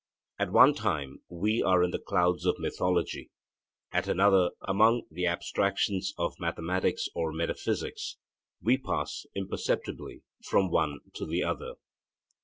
At one time we are in the clouds of mythology, at another among the abstractions of mathematics or metaphysics; we pass imperceptibly from one to the other.